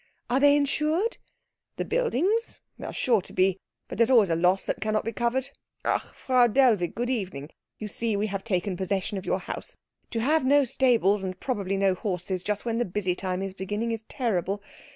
"Are they insured?" "The buildings? They are sure to be. But there is always a loss that cannot be covered ach, Frau Dellwig, good evening you see we have taken possession of your house. To have no stables and probably no horses just when the busy time is beginning is terrible.